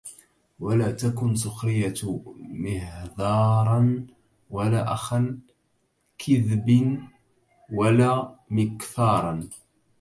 ولا تكن سُخرية مهذارا ولا أخا كِذبٍ ولا مكثارا